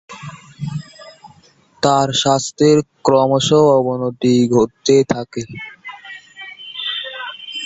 তার স্বাস্থ্যের ক্রমশঃ অবনতি ঘটতে থাকে।